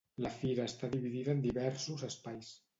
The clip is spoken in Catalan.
La fira està dividida en diversos espais.